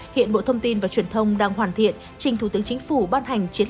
hiện bộ thông tin và truyền thông đang hoàn thiện trình thủ tướng chính phủ ban hành